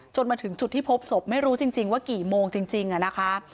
จนมาถึงจุดที่พบศพไม่รู้จริงจริงว่ากี่โมงจริงจริงอ่ะนะคะ